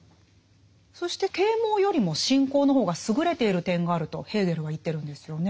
そして啓蒙よりも信仰の方が優れている点があるとヘーゲルは言ってるんですよね。